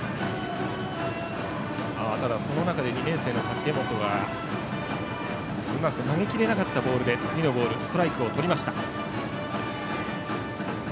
その中で２年生の竹本がうまく投げ切れなかったボールで次のボールはストライクをとりました。